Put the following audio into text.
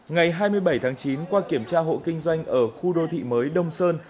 ngày hai mươi bảy tháng chín qua kiểm tra hộ kinh doanh ở khu đô thị mới đông sơn